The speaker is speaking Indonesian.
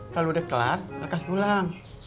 kalau udah kelar lekas pulang